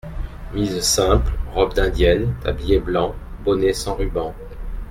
Mise simple : robe d’indienne, tablier blanc, bonnet sans rubans.